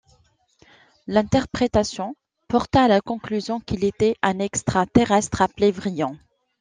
L'interprétation porta à la conclusion qu'il était un extraterrestre, appelé Vrillon.